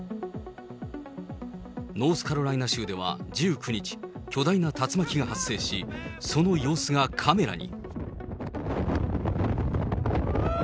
ノースカロライナ州では１９日、巨大な竜巻が発生し、その様子がカメラに。